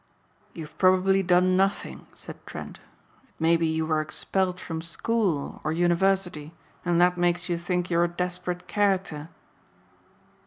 "You've probably done nothing," said Trent. "It may be you were expelled from school or university and that makes you think you are a desperate character."